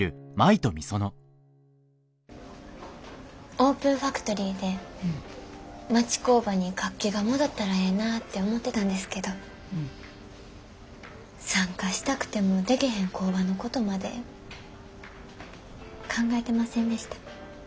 オープンファクトリーで町工場に活気が戻ったらええなって思ってたんですけど参加したくてもでけへん工場のことまで考えてませんでした。